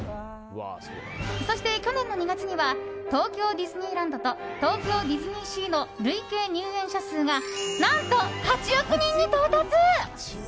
そして去年の２月には東京ディズニーランドと東京ディズニーシーの累計入園者数が何と８億人に到達。